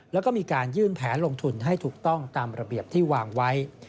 แล้วก็มีการยื่นแผนลงทุนให้ถูกต้องตามระเบียบที่วางไว้